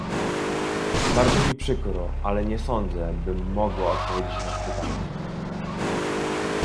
Bardzo mi przykro, ale nie sądzę, bym mogła odpowiedzieć na to pytanie